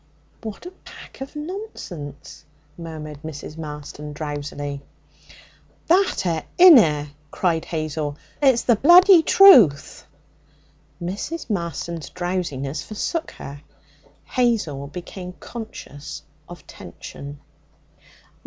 'What a pack of nonsense!' murmured Mrs. Marston drowsily. 'That it inna!' cried Hazel; 'it's the bloody truth!' Mrs. Marston's drowsiness forsook her. Hazel became conscious for tension.